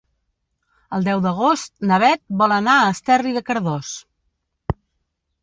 El deu d'agost na Beth vol anar a Esterri de Cardós.